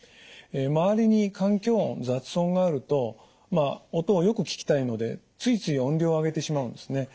周りに環境音雑音があるとまあ音をよく聞きたいのでついつい音量を上げてしまうんですね。